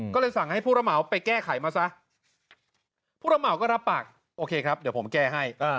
ก็เลยสั่งให้ผู้ระเหมาไปแก้ไขมาซะผู้ระเหมาก็รับปากโอเคครับเดี๋ยวผมแก้ให้